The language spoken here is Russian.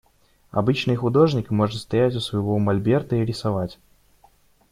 Обычный художник может стоять у своего мольберта и рисовать.